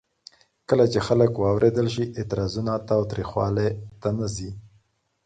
کله چې خلک واورېدل شي، اعتراضونه تاوتریخوالي ته نه ځي.